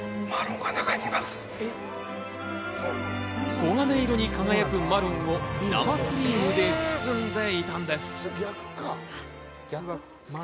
黄金色に輝くマロンを生クリームで包んでいたんです。